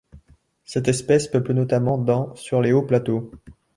Cette espèce peuple notamment dans sur les hauts-plateaux.